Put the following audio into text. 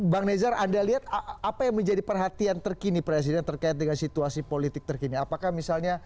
bang nezar anda lihat apa yang menjadi perhatian terkini presiden terkait dengan situasi politik terkini apakah misalnya